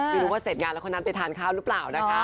ไม่รู้ว่าเสร็จงานแล้วคนนั้นไปทานข้าวหรือเปล่านะคะ